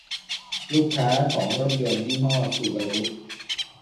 ลูกค้าของรถยนต์ยี่ห้อซูบารุ